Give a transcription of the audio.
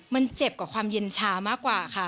มันเจ็บกว่าความเย็นชามากกว่าค่ะ